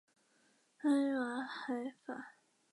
它拥有阿海珐。